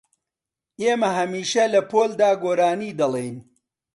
ئێمە هەمیشە لە پۆلدا گۆرانی دەڵێین.